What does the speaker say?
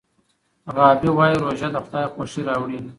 غابي وایي روژه د خدای خوښي راوړي.